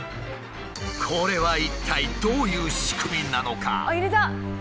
これは一体どういう仕組みなのか。